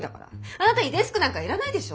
あなたにデスクなんかいらないでしょ！